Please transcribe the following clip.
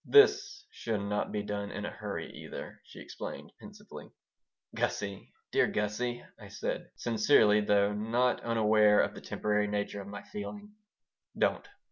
"This should not be done in a hurry, either," she explained, pensively "Gussie! Dear Gussie!" I said, sincerely, though not unaware of the temporary nature of my feeling "Don't!"